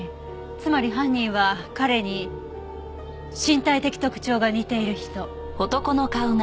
つまり犯人は彼に身体的特徴が似ている人。